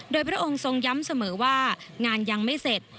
โดยพระองค์ทรงย้ำเสมอว่างานยังไม่เสร็จ